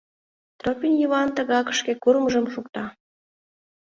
Тропин Йыван тыгак шке курымжым шукта.